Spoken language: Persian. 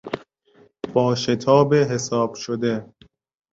با شتاب حساب شده